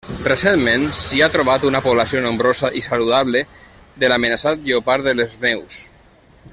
Recentment, s'hi ha trobat una població nombrosa i saludable de l'amenaçat lleopard de les neus.